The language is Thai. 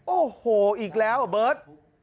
โอ้โฮอีกแล้วเบอร์ท